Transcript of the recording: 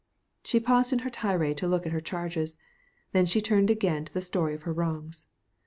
She paused in her tirade to yell at her charges. Then she turned again to the story of her wrongs.